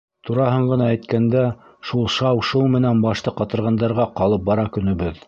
Тураһын ғына әйткәндә, шул шау-шоу менән башты ҡатырғандарға ҡалып бара көнөбөҙ.